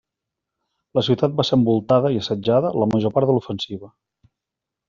La ciutat va ser envoltada i assetjada la major part de l'ofensiva.